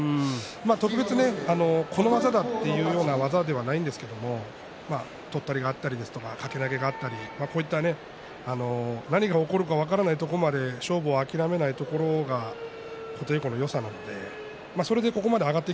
特別ねこの技だというものではないんですけれど、とったりがあったり掛け投げがあったり何が起こるか分からないところまで勝負を諦めないところは琴恵光のよさです。